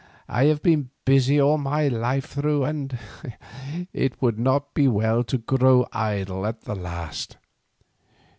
I have been busy all my life through, and it would not be well to grow idle at the last.